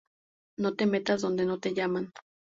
No te metas donde no te llaman